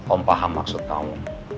om paham maksud kamu